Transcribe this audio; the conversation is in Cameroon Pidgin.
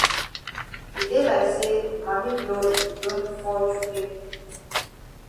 E dey like say Mami Glory don fall chukay.